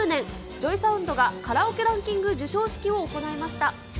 ＪＯＹＳＯＵＮＤがカラオケランキング授賞式を行いました。